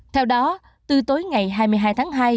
theo đó từ tối ngày hai mươi hai tháng hai